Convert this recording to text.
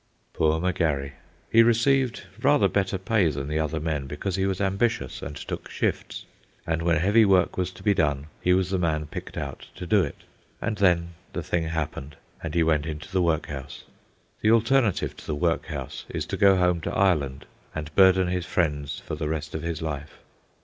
Poor M'Garry! He received rather better pay than the other men because he was ambitious and took shifts, and when heavy work was to be done he was the man picked out to do it. And then the thing happened, and he went into the workhouse. The alternative to the workhouse is to go home to Ireland and burden his friends for the rest of his life.